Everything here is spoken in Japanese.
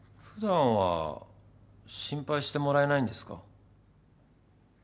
普段は心配してもらえないんですか？